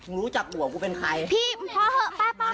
รู้จับหัวกูเป็นใครพี่พอเถอะไป